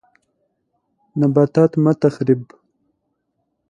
نباتات مه تخریب